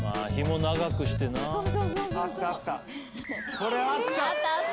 「これあった！」